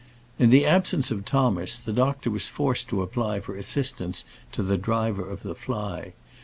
In the absence of Thomas, the doctor was forced to apply for assistance to the driver of the fly.